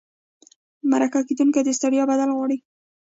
مرکه کېدونکي د ستړیا بدل غواړي.